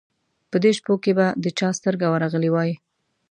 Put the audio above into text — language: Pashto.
په دې شپو کې به د چا سترګه ورغلې وای.